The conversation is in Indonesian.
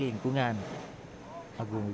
terima kasih untuk penonton